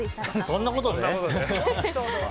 そんなことない！